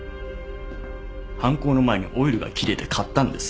犯行の前にオイルが切れて買ったんです。